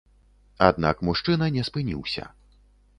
Аднак мужчына не спыніўся.